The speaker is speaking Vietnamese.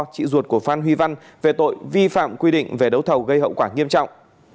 thuật của phan huy văn về tội vi phạm quy định về đấu thầu gây hậu quả nghiêm trọng